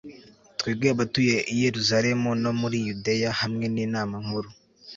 twebwe abatuye i yeruzalemu no muri yudeya, hamwe n'inama nkuru